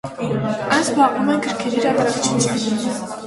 Այն զբաղվում է գրքերի հրատարակչությամբ։